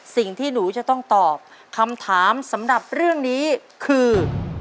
สิ่งที่หนูจะต้องตอบคำถามสำหรับเรื่องนี้คือ